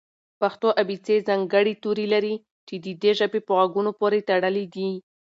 پښتو ابېڅې ځانګړي توري لري چې د دې ژبې په غږونو پورې تړلي دي.